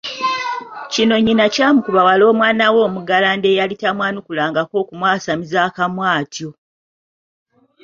Kino nnyina kyamukuba wala omwana we omuggalanda eyali tamwanukulangako okumwasamiza akamwa atyo!